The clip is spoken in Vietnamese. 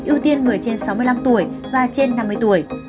ưu tiên người trên sáu mươi năm tuổi và trên năm mươi tuổi